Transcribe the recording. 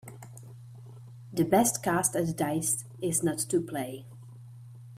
The best cast at dice is not to play.